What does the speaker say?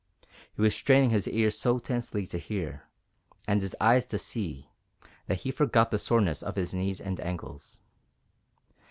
He was straining his ears so tensely to hear, and his eyes to see, that he forgot the soreness of his knees and ankles.